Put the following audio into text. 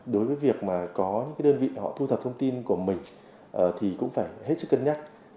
đối với việc mà có những đơn vị họ thu thập thông tin của mình thì cũng phải hết sức cân nhắc